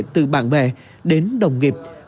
từ bạn bè đến đồng nghiệp